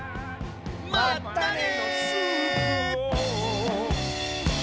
まったね。